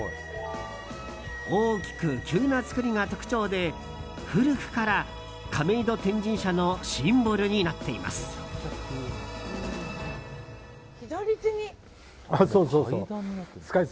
大きく急な造りが特徴で古くから亀戸天神社のシンボルになっています。